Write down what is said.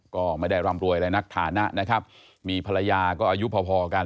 ก็ไม่ได้ร่ำรวยอะไรนักฐานะนะครับมีภรรยาก็อายุพอพอกัน